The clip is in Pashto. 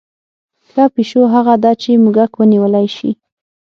ښه پیشو هغه ده چې موږک ونیولی شي.